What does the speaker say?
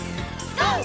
ＧＯ！